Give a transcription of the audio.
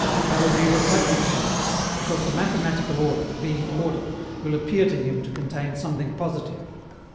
They will be repugnant to him, because the mathematical order, being order, will appear to him to contain something positive.